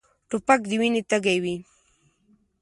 توپک د وینې تږی وي.